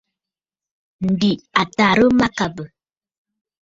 Ǹdè à tàrə mâkàbə̀.